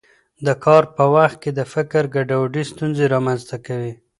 د کار په وخت کې د فکر ګډوډي ستونزې رامنځته کوي.